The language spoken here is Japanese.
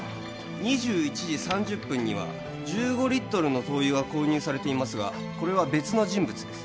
２１時３０分には１５リットルの灯油が購入されていますがこれは別の人物です